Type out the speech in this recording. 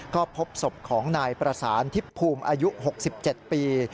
ก็พบศพของนายประสานทิพย์ภูมิอายุ๖๗ปี